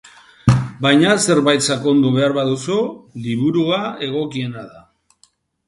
Baina zerbait sakondu behar baduzu, liburua egokiena da.